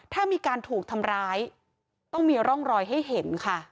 ถ้ามีการถูกทำร้ายต้องมีร่องรอยให้เห็นค่ะ